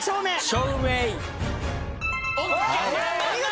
お見事。